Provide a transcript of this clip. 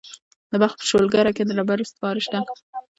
د بلخ په شولګره کې د ډبرو سکاره شته.